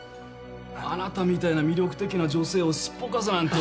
あなたみたいな魅力的な女性をすっぽかすなんて